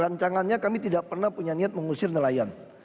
rancangannya kami tidak pernah punya niat mengusir nelayan